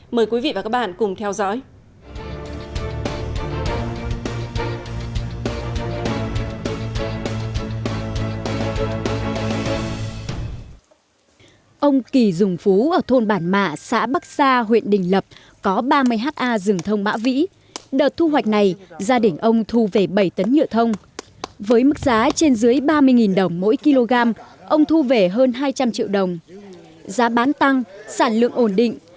mời quý vị và các bạn cùng theo dõi